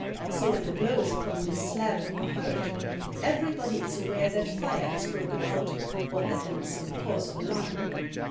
So when the blows upon this slab are heard, everybody is aware that fire has broken out or that there is some cause of alarm.